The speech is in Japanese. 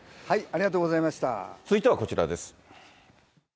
続いてはこちらです。